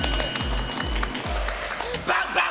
バンバン！